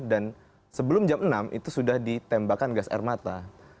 sebelum jam enam itu sudah ditembakkan gas air mata